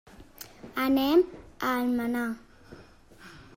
Anem a Almenar.